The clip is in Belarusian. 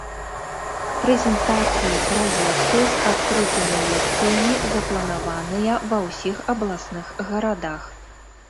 Прэзентацыі праекту з адкрытымі лекцыямі запланаваныя ва ўсіх абласных гарадах.